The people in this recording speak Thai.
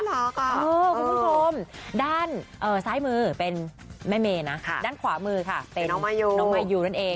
คุณผู้ชมด้านซ้ายมือเป็นแม่เมย์นะด้านขวามือค่ะเป็นน้องมายูนั่นเอง